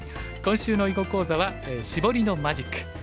今週の囲碁講座は「シボリのマジック」。